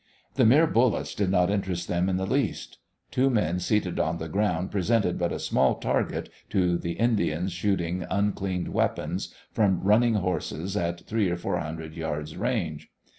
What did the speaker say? The mere bullets did not interest them in the least. Two men seated on the ground presented but a small mark to the Indians shooting uncleaned weapons from running horses at three or four hundred yards' range.